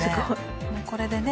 もうこれでね